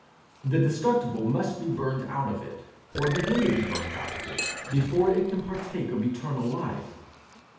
The destructible must be burned out of it, or begin to be burned out of it, before it can partake of eternal life.